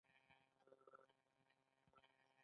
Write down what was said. هغوی د دریاب له یادونو سره راتلونکی جوړولو هیله لرله.